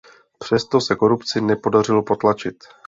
Přesto se korupci nepodařilo potlačit.